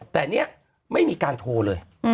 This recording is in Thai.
แต่เนี่ยไม่มีการโทรเลย